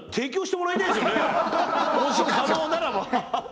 もし可能ならば。